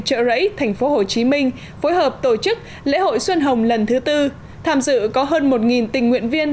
trợ rẫy tp hcm phối hợp tổ chức lễ hội xuân hồng lần thứ tư tham dự có hơn một tình nguyện viên